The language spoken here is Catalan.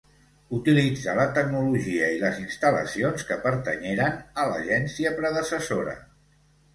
Utilitza la tecnologia i les instal·lacions que pertanyeren a l'agència predecessora.